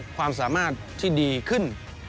ความสามารถที่ดีขึ้น